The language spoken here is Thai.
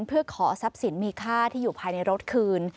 เพื่อขอทรัพย์สินมีค่าที่อยู่ภายในรถคืน